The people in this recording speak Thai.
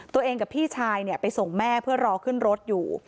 ตัวเองกับพี่ชายเนี่ยไปส่งแม่เพื่อรอขึ้นรถอยู่